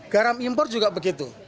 garam impor juga begitu